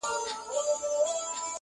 لیکلی وصیت!!.